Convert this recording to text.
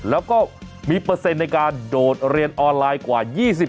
แล้วก็มีเปอร์เซ็นต์ในการโดดเรียนออนไลน์กว่า๒๐